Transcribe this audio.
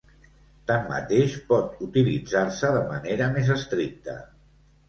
Tanmateix pot utilitzar-se de manera més estricta.